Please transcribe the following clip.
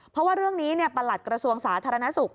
เพราะว่าเรื่องนี้ประหลัดกระทรวงสาธารณสุข